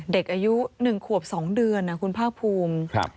เด็กอายุ๑ขวบ๒เดือนคุณภาคภูมิ